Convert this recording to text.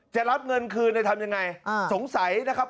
จะรับเงินคืนเลยทำยังไงสงสัยนะครับ